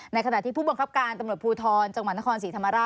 ในขณะที่ผู้บังคับการตำรวจภูทร